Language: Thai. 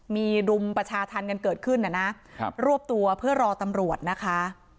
มีรุมประชาธรรมกันเกิดขึ้นนะครับรวบตัวเพื่อรอตำรวจนะคะ